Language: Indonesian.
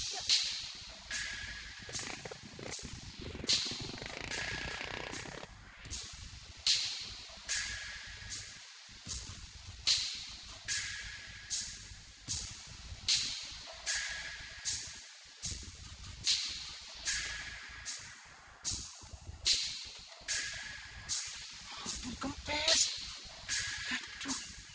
ya ampun berjalan jalan